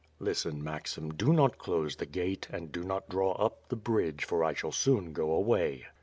"Listen, Maxim, do not close the gate, and do not draw up the bridge, for I shall soon go away."